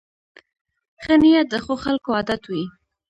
ښه نیت د ښو خلکو عادت وي.